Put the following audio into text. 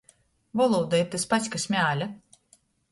Volūda ir tys pats, kas mēle.